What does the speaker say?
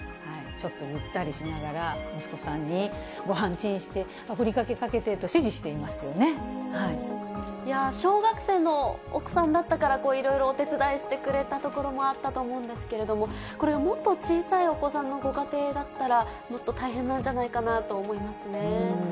ちょっとぐったりしながら、息子さんに、ごはんチンして、ふりかけかけてと、指示していまいやぁ、小学生のお子さんだったから、いろいろお手伝いしてくれたところもあったと思うんですけど、これがもっと小さいお子さんのご家庭だったら、もっと大変なんじゃないかなと思いますね。